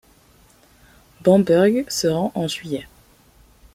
Bamburgh se rend en juillet.